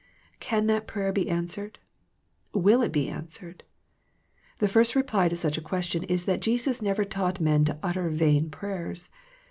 Can that prayer be answered ? Will it be an swered ? The first reply to such a question is that Jesus never taught men to utter vain prayers.